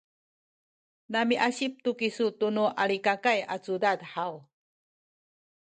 namiasip tu kisu tunu Alikakay a cudad haw?